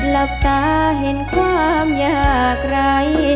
หลับตาเห็นความอยากไร